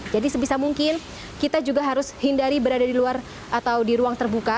jadi sebisa mungkin kita juga harus hindari berada di luar atau di ruang terbuka